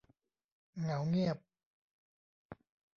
เหงาเงียบ